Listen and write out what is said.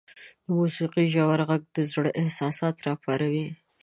• د موسیقۍ ژور ږغ د زړه احساسات راپاروي.